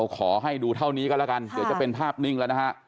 ขอให้ดูเท่านี้ก็แล้วกันเดี๋ยวจะเป็นภาพนิ่งแล้วนะฮะ